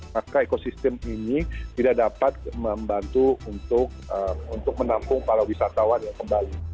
maka ekosistem ini tidak dapat membantu untuk menampung para wisatawan yang kembali